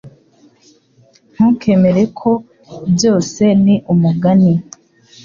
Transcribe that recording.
Ntukemere ko. Byose ni umugani.